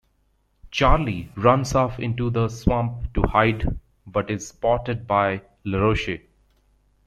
Charlie runs off into the swamp to hide but is spotted by Laroche.